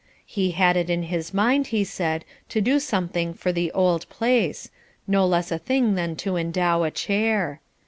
He had it in his mind, he said, to do something for the "old place," no less a thing than to endow a chair.